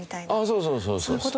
そうそうそうそうそう。